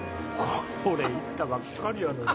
これ行ったばっかりやのに。